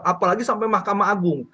apalagi sampai mahkamah agung